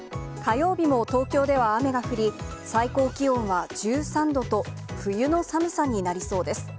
火曜日も東京では雨が降り、最高気温は１３度と、冬の寒さになりそうです。